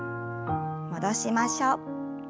戻しましょう。